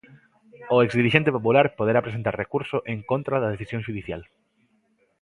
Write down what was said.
O ex dirixente popular poderá presentar recurso en contra da decisión xudicial.